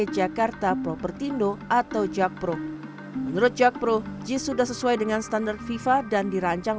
jakarta propertindo atau jakpro menurut jakpro jis sudah sesuai dengan standar fifa dan dirancang